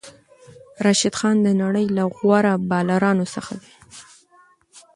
راشد خان د نړۍ له غوره بالرانو څخه دئ.